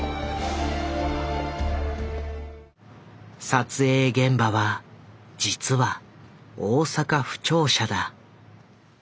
撮影現場は実は大阪府庁舎だ。